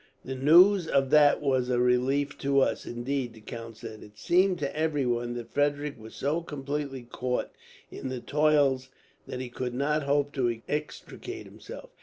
"The news of that was a relief to us, indeed," the count said. "It seemed to everyone that Frederick was so completely caught in the toils that he could not hope to extricate himself.